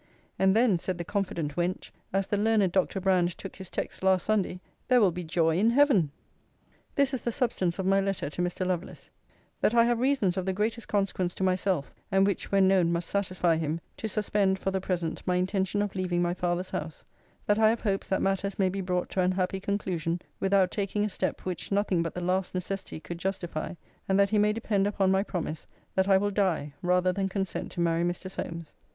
And then said the confident wench, as the learned Dr. Brand took his text last Sunday, There will be joy in heaven This is the substance of my letter to Mr. Lovelace: 'That I have reasons of the greatest consequence to myself (and which, when known, must satisfy him) to suspend, for the present, my intention of leaving my father's house: that I have hopes that matters may be brought to an happy conclusion, without taking a step, which nothing but the last necessity could justify: and that he may depend upon my promise, that I will die rather than consent to marry Mr. Solmes.'